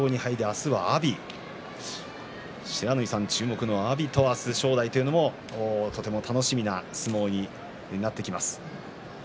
４勝２敗で明日は阿炎不知火さん、注目の阿炎と正代というのも楽しみな相撲になってきます。